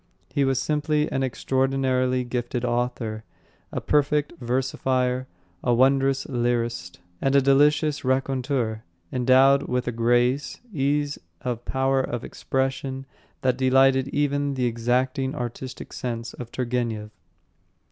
He was simply an extraordinarily gifted author, a perfect versifier, a wondrous lyrist, and a delicious raconteur, endowed with a grace, ease and power of expression that delighted even the exacting artistic sense of Turgenev.